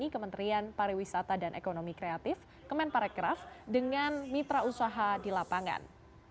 kementerian pariwisata dan ekonomi kreatif kemenparekraf dengan mitra usaha di lapangan